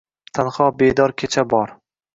Tanho bedor kecha bor.